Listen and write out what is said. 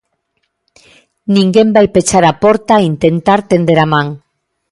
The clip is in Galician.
Ninguén vai pechar a porta a intentar tender a man.